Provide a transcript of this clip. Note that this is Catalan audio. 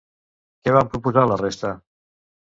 Què van proposar la resta?